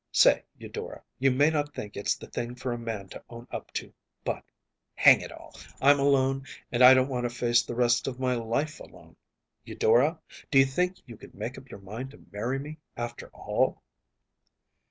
Say, Eudora, you may not think it’s the thing for a man to own up to, but, hang it all! I’m alone, and I don’t want to face the rest of my life alone. Eudora, do you think you could make up your mind to marry me, after all?